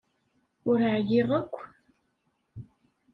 Ur ɛyiɣ akk.